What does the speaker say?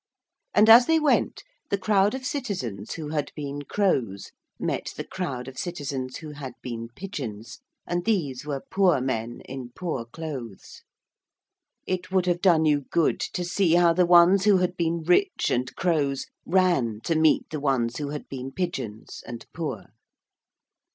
And as they went the crowd of citizens who had been crows met the crowd of citizens who had been pigeons, and these were poor men in poor clothes. It would have done you good to see how the ones who had been rich and crows ran to meet the ones who had been pigeons and poor.